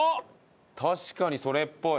確かにそれっぽい。